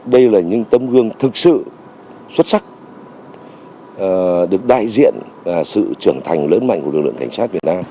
đây là những tấm gương thực sự xuất sắc được đại diện sự trưởng thành lớn mạnh của lực lượng cảnh sát việt nam